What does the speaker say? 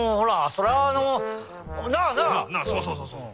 そうそうそうそう。